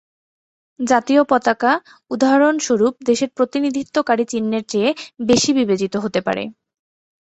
জাতীয় পতাকা, উদাহরণস্বরূপ, দেশের প্রতিনিধিত্বকারী চিহ্নের চেয়ে বেশি বিবেচিত হতে পারে।